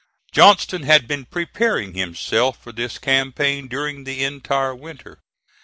Johnston had been preparing himself for this campaign during the entire winter.